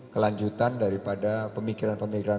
kelanjutan daripada pemikiran pemikiran